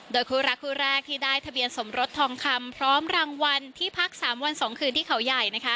โดยคู่รักคู่แรกที่ได้ทะเบียนสมรสทองคำพร้อมรางวัลที่พัก๓วัน๒คืนที่เขาใหญ่